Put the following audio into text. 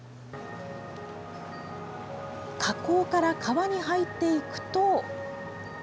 河口から川に入っていくと。